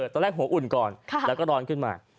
ตอนแรกหัวอุ่นก่อนแล้วก็ร้อนขึ้นมา